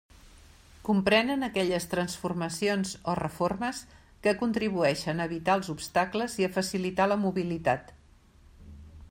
Comprenen aquelles transformacions o reformes que contribueixen a evitar els obstacles i a facilitar la mobilitat.